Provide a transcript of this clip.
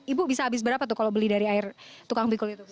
ibu bisa habis berapa tuh kalau beli dari air tukang pikul itu